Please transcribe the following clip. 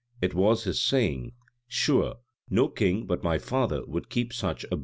It was his saying, "Sure no king but my father would keep such a bird in a cage."